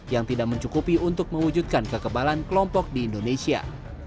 yang tidak mencukupi untuk mewujudkan kekebalan kelompok di indonesia